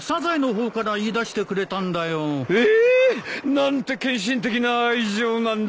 何て献身的な愛情なんだ。